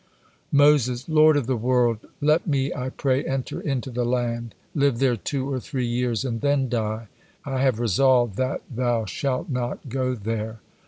Moses: "Lord of the world! Let me, I pray, enter into the Land, live there two or three years, and then die." God: "I have resolved that thou shalt not go there."